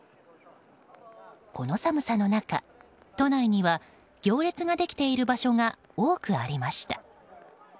この寒さの中、都内には行列ができている場所が多くありました。